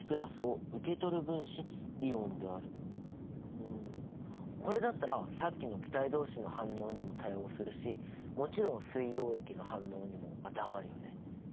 ほうこれだったらさっきの気体同士の反応にも対応するしもちろん水溶液の反応にも当てはまるよね。